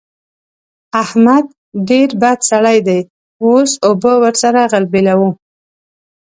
احمد ډېر بد سړی دی؛ اوس اوبه ور سره غلبېلوو.